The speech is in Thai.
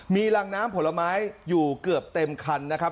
มีรังน้ำผลไม้อยู่เกือบเต็มคันนะครับ